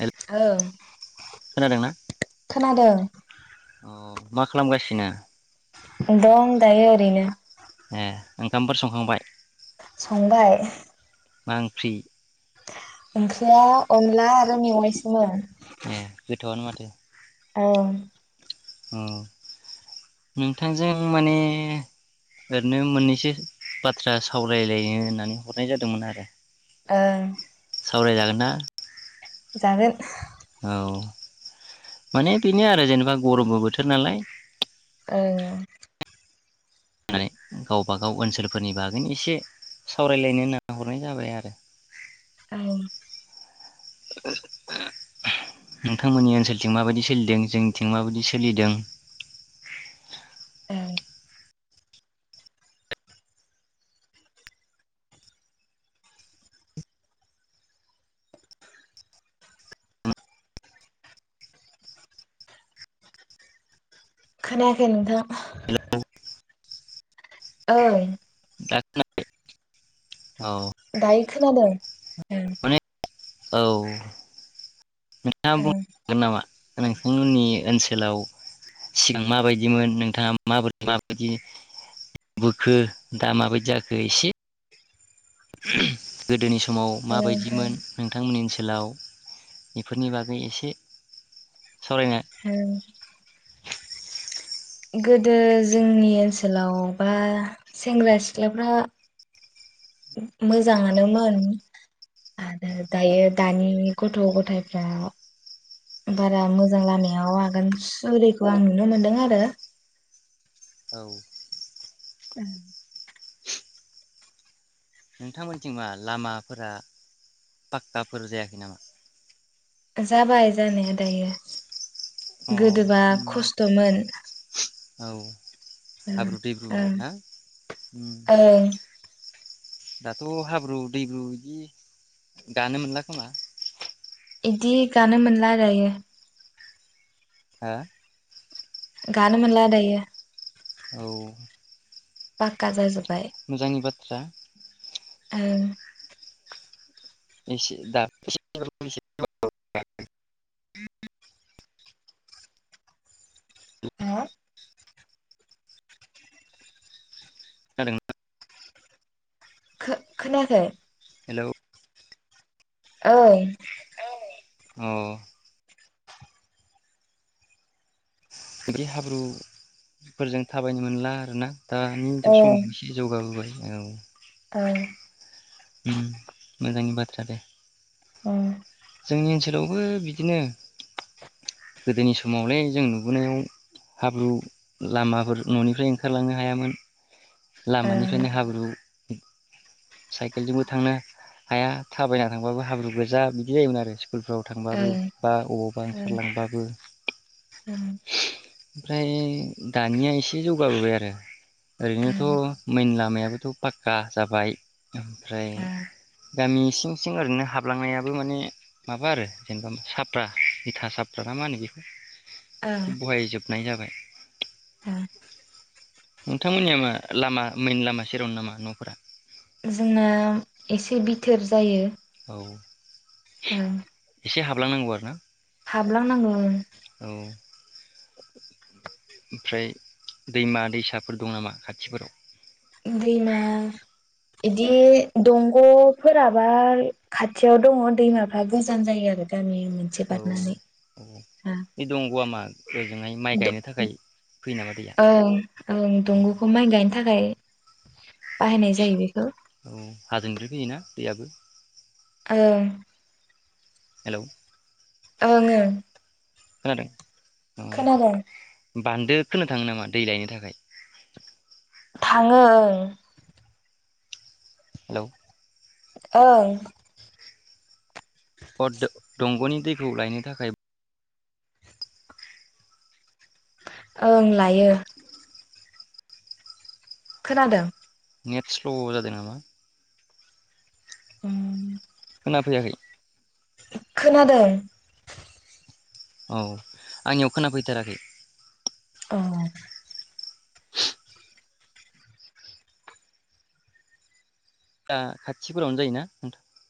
हेल ओं खोनादोंना खोनादों अ मा खालामगासिनो? दं दायो ओरैनो। ए ओंखामफोर संखांबाय संबाइ। मांफ्रि ओंख्रिया अनला आरो मेवाइसोमोन। ए गोथावआनो माथो। औ औ नोंथांजों माने ओरैनो मोननैसो बाथ्रा सावरायलायनो होननानै हरनाय जादोंमोन आरो। ओं सावरायजागोन ना। जागोन। औ माने बेनो आरो जेनेबा गरमबो बोथोर नालाय। ओ गावबागाव ओनसोलफोरनि बागैनो एसे सावरायलायनो नाहरनाय जाबाय आरो। औ। नोंथांमोननि ओनसोलथिं माबायदि सोलिदों जोंनिथिं माबायदि सोलिदों। ओं खोनायाखै नोंथांआ ओइ। दाा [unintelligible] ख औ। दायो खोनादों [unintelligible] माने औ। मा [unintelligible] ओं नोंथांमोननि ओनसोलाव सिगां माबायदिमोन नोंथाङा माबोरै माबायदि बोखो दा माबायदि जाखो एसे ओम गोदोनि सम [unintelligible] ओं माबायदिमोन नोंथांमोननि ओनसोलाव बेफोरनि बागै एसे सावरायनो हम गोदो जोंनि ओनसोलाव बा सेंग्रा सिख्लाफ्रा मोजाङानोमोन आरो दायो दानि गथ गथायफ्रा बारा मोजां लामायाव आगान सुरिखौ आं नुनो मोनदों आरो। औ [unintelligible] [inaudible] नोंथांमोनथिं मा लामाफोरा पाक्काफोर जायाखै नामा? जाबाय जानाया दायो अ गोदोबा उम खस्थमोन। औ हाब्रु दैेब्रु ओं ना ओं दाथ हाब्रु दैब्रु बिदि गानो मोनला खोमा बिदि गानो मोनला दायो हा गानो मोनलादायो औ पाक्का जा जोब मोजांनि बाथ थ्रा ओ इसे दा [unintelligible] [unintelligible] खोनादों ना ख खोनायाखै हेलौ औ औ बे हाब्रुफोरजों थाबायनो मोनला आरोना आनि जौ समाव एसे जौगाबोबाय। औ ओ उम मोजांनि बाथ्रा दे। ओं जोंनि ओनसोलावबो बिदिनो गोदोनि समावलाय जों नुबोनायाव हाब्रु लामाफोर न'निफ्राय ओंखारलांनो हायामोन। ओं लामानिफ्रायनो हाब्रु [inaudible] साइ केलजोंबो थांनो हाया थाबायना थांबाबो हाब्रु गोजा बिदि जायोमोन आरो स्कुलफ्राव थांबाबो ओं बा बबावबा ओंखारलांबाबो औ ओमफ्राय दानिया एसे जौगाबोबाय आरो ओं ओरैनोथ' मेन लामाया आथ फाक्का जाबाय ओमफ्राय ओं गामि सिं सिं ओरैनो हाबलांनायाबो माने माबा आरो जेनेबा साफ्रा इथा साफ्रा ना मा होनो बेखौ बहायजोबनाय जाबाय। हा नोंथांमोननिया मा लामा मेन लामा सेरावनो नामा न'फोरा? जोंना एसे बिथोर जायो। औ ओ। बलांनांगौ आरो ना? हाबलांनांगौ ओं औ ओमफ्राय दैमा दैसाफोर दं नामा खाथिफोराव दैमा इदि दंगफोराबा खाथियाव दङ दैमाफा गोजान जायो आरो गामि मोनसे औ बारनानै औ बे दंग'आ मा ओजोंहाय माइ द गायनो थाखाय फैयो नामा दैया ओं ओं औ दंग'खौ माइ गायनो थाखाय बाहायनाय जायो बेखौ औ हाजोनि होयोना दैयाबो ओं हेलौ ओं ओं खोनादों औ खोनादों बान्दो खोनो थाङो नामा दै लायनो थाखाय? थाङो ओं हेलौ ओं अ द दंगनि दैखौ लायनो थाखाय ओं लायो खोनादों? नेट स्ल जादों नामा? [unintelligible] फैयाखै खोनादों। औ आंनियाव खोनाफैथाराखै। अ या खाथिफोरावनो जायोना नोंथां?